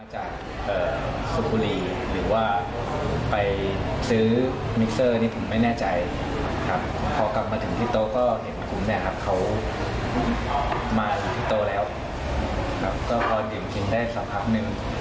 หรือว่าไปซื้อมิกเซอร์นี้ผมไม่แน่ใจครับพอกลับมาถึงที่โต๊ะก็เห็นคุณเนี่ยครับเขามาถึงที่โต๊ะแล้วครับก็พอดินกินได้สักคราบนึง